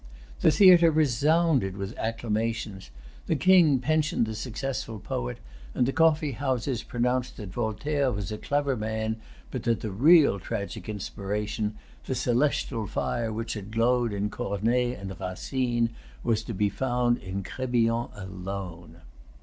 The theatre resounded with acclamations. The king pensioned the successful poet; and the coffee houses pronounced that Voltaire was a clever man, but that the real tragic inspiration, the celestial fire which had glowed in Corneille and Racine, was to be found in Crébillon alone.